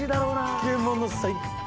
漬物最高！